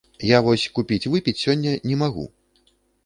Я вось купіць выпіць сёння не магу.